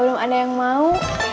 belum ada yang mau